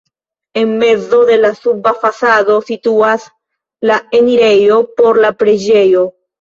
En mezo de la suba fasado situas la enirejo por la preĝejo.